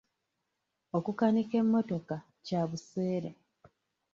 Okukanika emmotoka kya buseere.